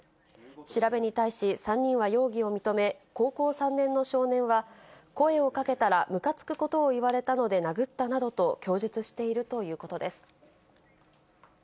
調べに対し３人は容疑を認め、高校３年の少年は、声をかけたらむかつくことを言われたので、殴ったなどと供述しているということです。